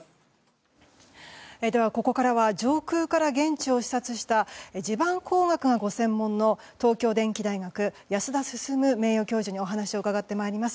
ここからは上空から現地を視察した地盤工学がご専門の東京電機大学、安田進名誉教授にお話を伺ってまいります。